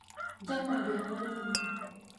جنګ عادلانه دی کنه.